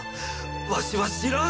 わしは知らん！